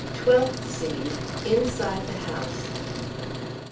TWELFTH SCENE. Inside the House.